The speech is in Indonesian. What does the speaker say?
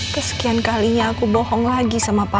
kesekian kalinya aku bohong lagi sama papa